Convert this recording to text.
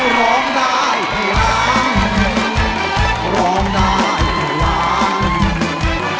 ร้องได้ให้ร้าง